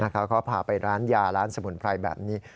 เขาพาไปร้านยาร้านสมุนไพรแบบนี้